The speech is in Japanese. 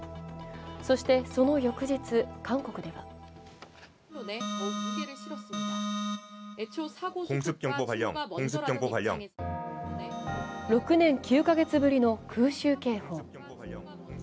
そしてその翌日、韓国では６年９か月ぶりの空襲警報。